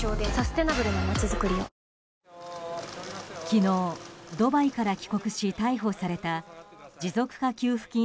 昨日ドバイから帰国し、逮捕された持続化給付金